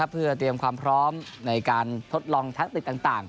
เพื่อเตรียมพร้อมในการทดลองทักษะติศต่าง